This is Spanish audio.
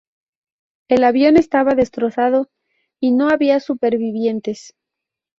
El avión estaba destrozado, y no había supervivientes.